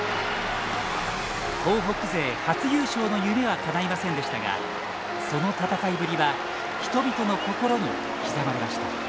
東北勢初優勝の夢はかないませんでしたがその戦いぶりは人々の心に刻まれました。